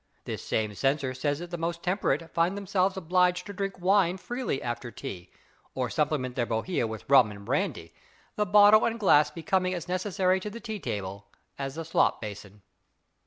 This same censor says that the most temperate find themselves obliged to drink wine freely after tea, or supplement their Bohea with rum and brandy, the bottle and glass becoming as necessary to the tea table as the slop basin.